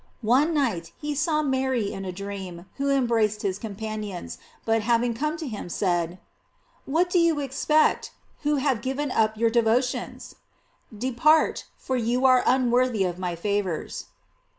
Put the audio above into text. One night he saw Mary in a dream, who embraced his companions, but having come to him, said: "What do you ex pect, who have given up your devotions ? De part, for you are unworthy of my favors."